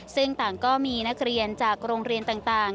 ซึ่งต่างก็มีนักเรียนจากโรงเรียนต่าง